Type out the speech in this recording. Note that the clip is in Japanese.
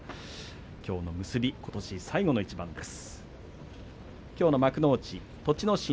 きょうの結び、ことし最後の一番です。